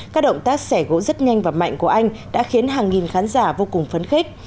các động tác xẻ gỗ rất nhanh và mạnh của anh đã khiến hàng nghìn khán giả vô cùng phấn khích